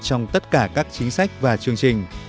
trong tất cả các chính sách và chương trình